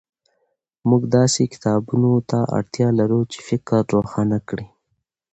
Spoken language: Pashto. موږ داسې کتابونو ته اړتیا لرو چې فکر روښانه کړي.